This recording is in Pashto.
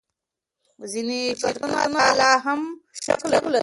ځینې شرکتونه لا هم شک لري.